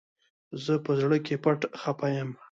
زه په زړه کي پټ خپه يم